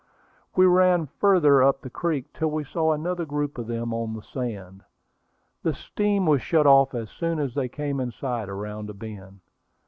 We ran farther up the creek till we saw another group of them on the sand. The steam was shut off as soon as they came in sight around a bend.